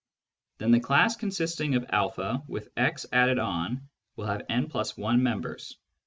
Then the class consisting of a with x added on will have w+i members.